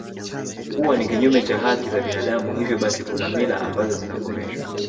kuwa ni kinyume cha haki za binadamu hivyo basi kuna mila ambazo zinakomeshwa